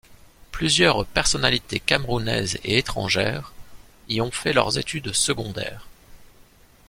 Plusieurs personnalites camerounaises et étrangères y ont fait leurs études secondaires.